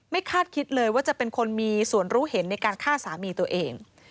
คาดคิดเลยว่าจะเป็นคนมีส่วนรู้เห็นในการฆ่าสามีตัวเอง